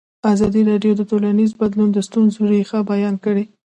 ازادي راډیو د ټولنیز بدلون د ستونزو رېښه بیان کړې.